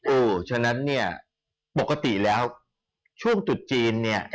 อู๋ฉะนั้นเนี้ยปกติแล้วช่วงจุดจีนเนี้ยจ้ะ